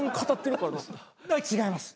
違います。